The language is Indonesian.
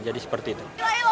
jadi seperti itu